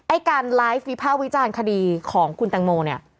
การไลฟ์วิภาควิจารณ์คดีของคุณแตงโมเนี่ย